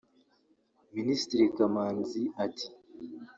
Minisitiri Kamanzi ati